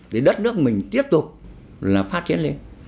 để đất nước mình tiếp tục là phát triển lên